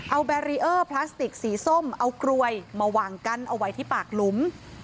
เอาแบรีเออร์พลาสติกสีส้มเอากลวยมาวางกั้นเอาไว้ที่ปากหลุม